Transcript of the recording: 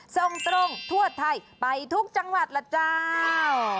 ส่งตรงทั่วไทยไปทุกจังหวัดล่ะเจ้า